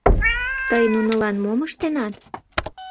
Тый нунылан мом ыштенат?